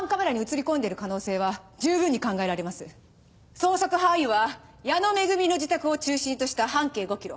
捜索範囲は矢野恵の自宅を中心とした半径５キロ。